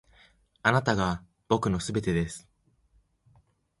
あなたが僕の全てです．